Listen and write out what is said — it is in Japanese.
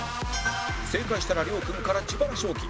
正解したら亮君から自腹賞金